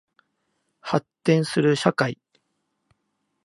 発展する社会